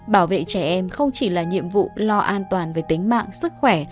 bảo vệ trẻ em không chỉ là nhiệm vụ lo an toàn về tính mạng sức khỏe